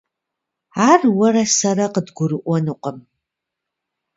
Ар уэрэ сэрэ къыдгурыӀуэнукъым.